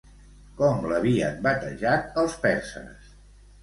Com l'havien batejat els perses?